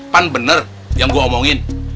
pan bener yang gua omongin